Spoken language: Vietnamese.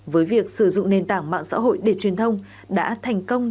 với việc sử dụng nền tảng mạng xã hội để truyền thông đã thành công